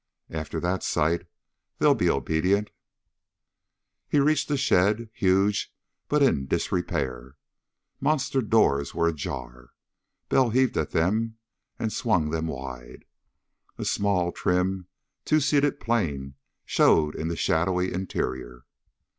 After that sight they'll be obedient." He reached a shed, huge, but in disrepair. Monster doors were ajar. Bell heaved at them and swung them wide. A small, trim, two seated plane showed in the shadowy interior.